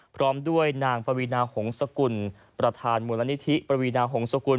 พร้อมด้วยนางประวีนาโหงสกุลประธานบรินิธิประวีนาโหงสกุล